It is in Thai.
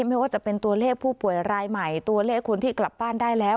ไม่ว่าจะเป็นตัวเลขผู้ป่วยรายใหม่ตัวเลขคนที่กลับบ้านได้แล้ว